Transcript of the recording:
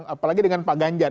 apalagi dengan pak ganjar